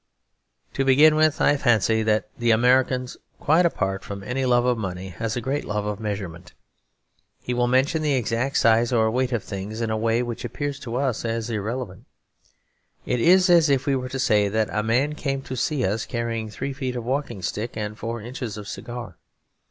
To begin with, I fancy that the American, quite apart from any love of money, has a great love of measurement. He will mention the exact size or weight of things, in a way which appears to us as irrelevant. It is as if we were to say that a man came to see us carrying three feet of walking stick and four inches of cigar.